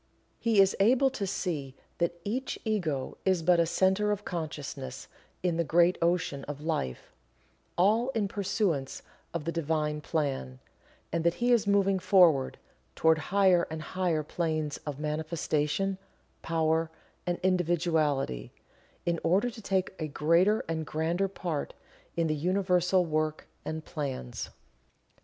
He is able to see that each Ego is but a Centre of Consciousness in the great Ocean of Life all in pursuance of the Divine Plan, and that he is moving forward toward higher and higher planes of manifestation, power and individuality, in order to take a greater and grander part in the Universal work and plans.